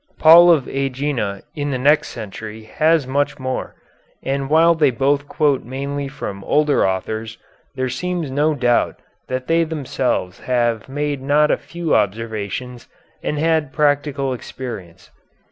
Paul of Ægina in the next century has much more, and while they both quote mainly from older authors there seems no doubt that they themselves had made not a few observations and had practical experience.